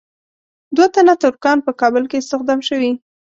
دوه تنه ترکان په کابل کې استخدام شوي.